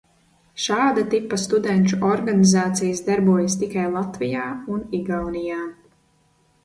Šāda tipa studenšu organizācijas darbojas tikai Latvijā un Igaunijā.